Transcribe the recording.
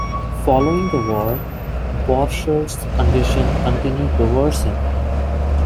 Following the war, Borchert's condition continued to worsen.